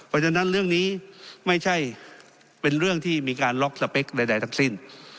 เพราะฉะนั้นเรื่องนี้ไม่ใช่เป็นเรื่องที่มีการล็อกสเปคใดทั้งสิ้น